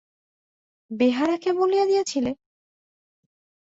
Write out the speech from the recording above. বেহারাকে বলিয়া দিয়াছিলে!